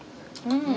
うん。